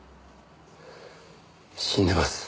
死んでます。